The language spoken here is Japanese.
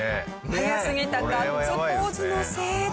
早すぎたガッツポーズのせいで。